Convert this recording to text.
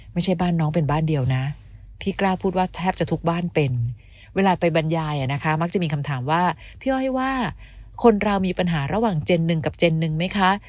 ไม่ใช่บ้านน้องเป็นบ้านเดียวนะพี่กล้าพูดว่าแทบจะทุกบ้านเป็นเวลาไปบรรยายนะคะมักจะมีคำถามว่าพี่อ้อยว่าคนเรามีปัญหาระหว่างเจนหนึ่งกับเจนหนึ่งไหมคะ